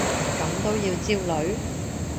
咁都要焦慮？